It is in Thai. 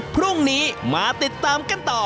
พรุ่งนี้มาติดตามกันต่อ